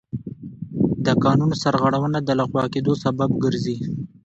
د قانون سرغړونه د لغوه کېدو سبب ګرځي.